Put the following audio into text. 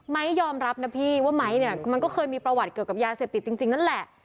ยอมรับนะพี่ว่าไม้เนี่ยมันก็เคยมีประวัติเกี่ยวกับยาเสพติดจริงนั่นแหละ